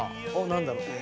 何だろうね。